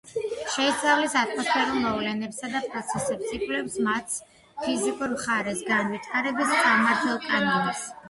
შეისწავლის ატმოსფერულ მოვლენებსა და პროცესებს, იკვლევს მათს ფიზიკურ მხარეს განვითარების წარმმართველ კანონებს.